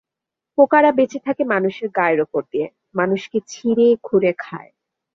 পোকারা বেঁচে থাকে মানুষের গায়ের ওপর দিয়ে, মানুষকে ছিঁড়ে খুঁড়ে খায়।